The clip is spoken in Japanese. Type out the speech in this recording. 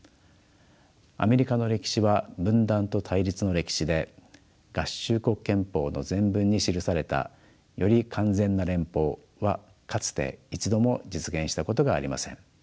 アメリカの歴史は分断と対立の歴史で合衆国憲法の前文に記された「より完全な連邦」はかつて一度も実現したことがありません。